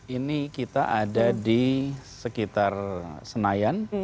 ini kita ada di sekitar senayan